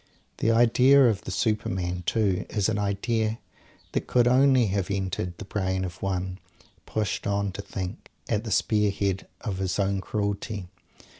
The idea of the Superman, too, is an idea that could only have entered the brain of one, pushed on to think, at the spear head of his own cruelty.